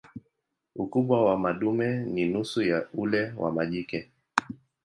Ukubwa wa madume ni nusu ya ule wa majike.